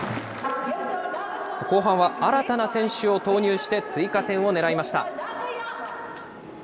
後半は新たな選手を投入して、追加点を狙いました。